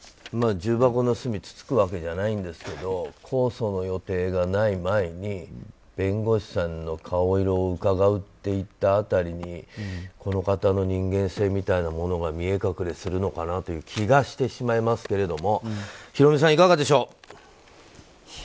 重箱の隅をつつくわけじゃないんですけど控訴の予定がない前に弁護士さんの顔色をうかがうっていった辺りにこの方の人間性みたいなものが見え隠れするのかなという気がしてしまいますけれどもヒロミさん、いかがでしょう。